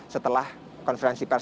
setelah konferensi pers